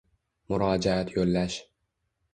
Murojaat yo‘llash